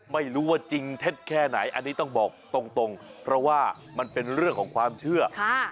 ไม่รู้ว่าจริงเท็จแค่ไหนอันนี้ต้องบอกตรงเพราะว่ามันเป็นเรื่องของความเชื่อ